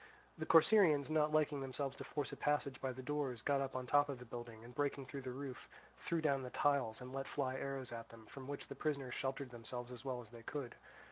The Corcyraeans, not liking themselves to force a passage by the doors, got up on the top of the building, and breaking through the roof, threw down the tiles and let fly arrows at them, from which the prisoners sheltered themselves as well as they could.